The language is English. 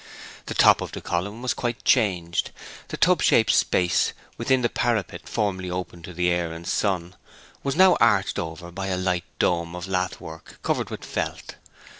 The top of the column was quite changed. The tub shaped space within the parapet, formerly open to the air and sun, was now arched over by a light dome of lath work covered with felt.